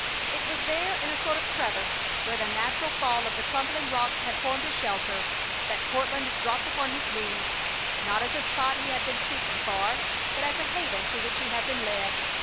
It was there in a sort of crevice, where the natural fall of the crumbling rocks had formed a shelter, that Courtland dropped upon his knees. Not as a spot he had been seeking for, but as a haven to which he had been led.